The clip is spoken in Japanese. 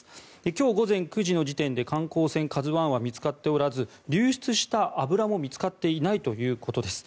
今日午前９時の時点で観光船「ＫＡＺＵ１」は見つかっておらず流出した油も見つかっていないということです。